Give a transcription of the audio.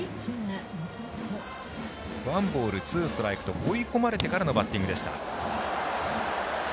ワンボール、ツーストライクと追い込まれてからのバッティングでした。